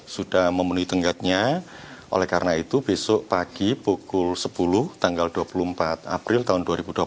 sudah memenuhi tenggatnya oleh karena itu besok pagi pukul sepuluh tanggal dua puluh empat april tahun dua ribu dua puluh satu